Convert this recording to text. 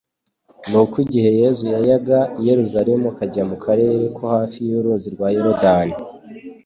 Nuko igihe Yesu yayaga i Yerusalemu akajya mu karere ko hafi y'uruzi rwa Yorodani,